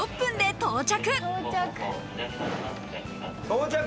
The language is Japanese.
到着！